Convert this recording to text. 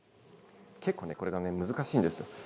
結構ね、これが難しいんですよ。